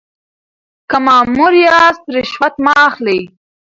که مامور یاست رشوت مه اخلئ.